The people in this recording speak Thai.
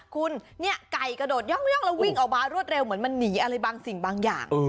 คุณเนี่ยไก่กระโดดย่องแล้ววิ่งออกมารวดเร็วเหมือนมันหนีอะไรบางสิ่งบางอย่าง